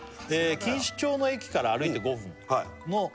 「錦糸町の駅から歩いて５分のところにある」